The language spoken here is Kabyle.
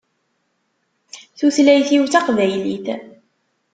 Tutlayt-iw d Taqbaylit.